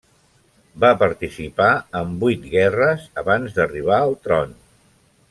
Va participar en vuit guerres abans d'arribar al tron.